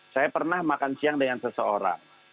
saya pernah makan siang dengan seseorang